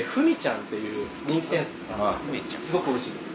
すごくおいしいです。